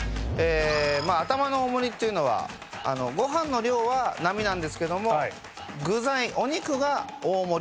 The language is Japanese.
まあアタマの大盛っていうのはご飯の量は並なんですけども具材お肉が大盛の状態。